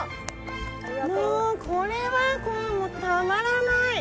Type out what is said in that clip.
もうこれはたまらない！